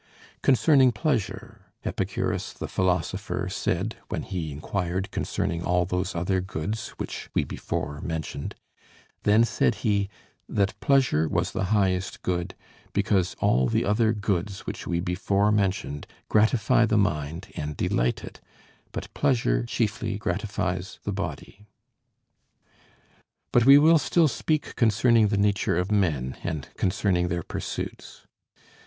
Concerning pleasure, Epicurus the philosopher said, when he inquired concerning all those other goods which we before mentioned: then said he, that pleasure was the highest good, because all the other goods which we before mentioned gratify the mind and delight it, but pleasure chiefly gratifies the body. But we will still speak concerning the nature of men, and concerning their pursuits.